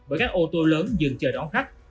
bởi các ô tô lớn dừng chờ đón khách